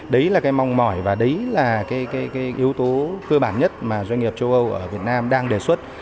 đấy là cái mong mỏi và đấy là cái yếu tố cơ bản nhất mà doanh nghiệp châu âu ở việt nam đang đề xuất